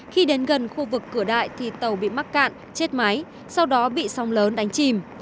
khi đến gần khu vực cửa đại thì tàu bị mắc cạn chết máy sau đó bị sóng lớn đánh chìm